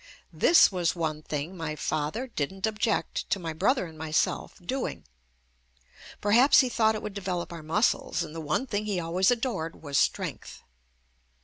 This \ was one thing my father didn't object to my brother and myself doing. Perhaps he thought it would develop our muscles, and the one thing he always adored was strength.